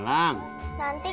siapa lah ini kbrand ini